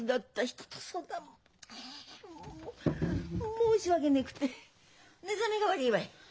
申し訳ねぐって寝覚めが悪いわい！